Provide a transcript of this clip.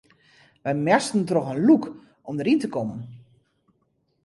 Wy moasten troch in lûk om deryn te kommen.